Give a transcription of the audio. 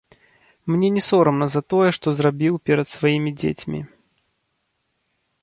Мне не сорамна за тое, што зрабіў перад сваімі дзецьмі.